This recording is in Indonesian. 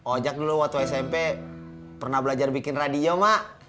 ojak dulu waktu smp pernah belajar bikin radio mak